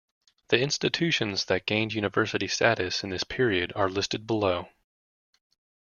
The institutions that gained university status in this period are listed below.